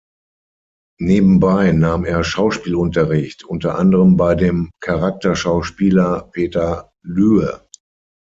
Nebenbei nahm er Schauspielunterricht, unter anderem bei dem Charakterschauspieler Peter Lühr.